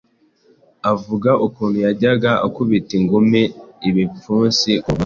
Avuga ukuntu yajyaga akubita ingumi ibipfunsiku nkuta